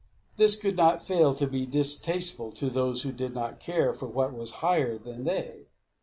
This could not fail to be distasteful to those who did not care for what was higher than they.